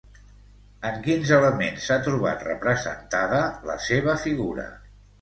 En quins elements s'ha trobat representada la seva figura?